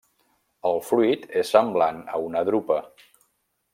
El fruit és semblant a una drupa.